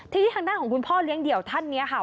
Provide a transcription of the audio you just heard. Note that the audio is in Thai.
ทีนี้ทางด้านของคุณพ่อเลี้ยงเดี่ยวท่านนี้ค่ะ